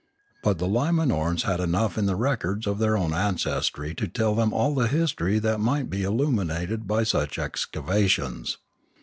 But the Limanorans had enough in the records of their own ancestry to tell them all the history that might be illuminated by such excavations.